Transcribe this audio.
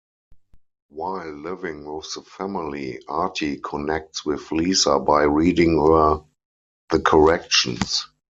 While living with the family, Artie connects with Lisa by reading her "The Corrections".